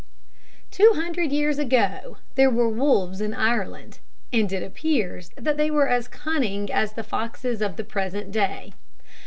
Two hundred years ago there were wolves in Ireland, and it appears that they were as cunning as the foxes of the present day.